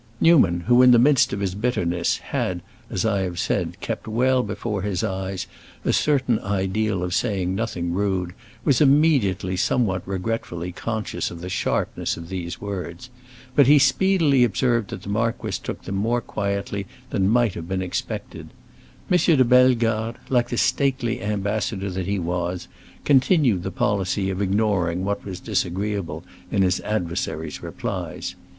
Newman, who in the midst of his bitterness had, as I have said, kept well before his eyes a certain ideal of saying nothing rude, was immediately somewhat regretfully conscious of the sharpness of these words. But he speedily observed that the marquis took them more quietly than might have been expected. M. de Bellegarde, like the stately ambassador that he was, continued the policy of ignoring what was disagreeable in his adversary's replies.